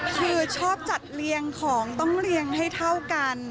คือชอบจัดเรียงของต้องเรียงให้เท่ากัน